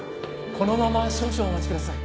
このまま少々お待ちください。